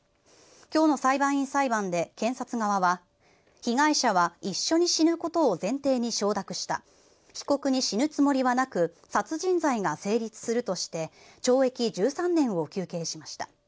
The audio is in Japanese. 今日の裁判員裁判で検察側は被害者は一緒に死ぬことを前提に承諾した被告に死ぬつもりはなく殺人罪が成立するとして懲役１３年を求刑しました。